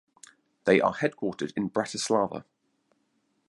They are headquartered in Bratislava.